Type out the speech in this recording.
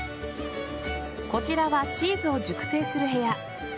こちらはチーズを熟成する部屋。